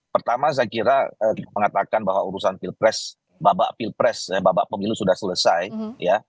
pertama saya kira kita mengatakan bahwa urusan pilpres babak pilpres babak pemilu sudah selesai ya